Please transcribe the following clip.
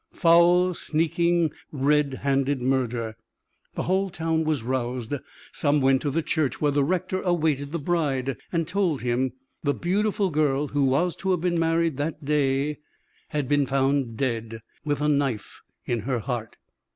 Foul, sneaking, red handed murder! The whole town was roused: some went to the church where the rector awaited the bride, and told him the beautiful girl who was to have been married that day had been found dead, with a knife in her heart.